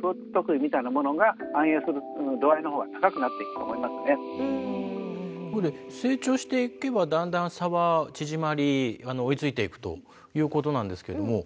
だけども小学校成長していけばだんだん差は縮まり追いついていくということなんですけども。